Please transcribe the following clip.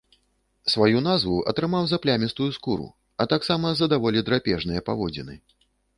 Сваю назву атрымаў за плямістую скуру, а таксама за даволі драпежныя паводзіны.